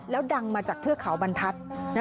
แล้วดังมาจากเทือกเขาบรรทัศน์